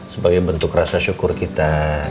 sebagai bentuk rasa syukur kita